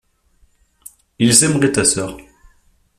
Ils aimeraient ta sœur.